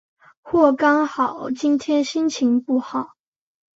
或刚好今天心情不好？